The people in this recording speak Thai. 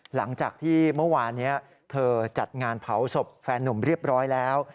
หลังจากที่เมื่อวานนี้เธอจัดงานเผาศพแฟนหนุ่มเรียบร้อยแล้ว